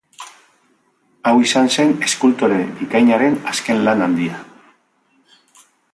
Hau izan zen, eskultore bikainaren azken lan handia.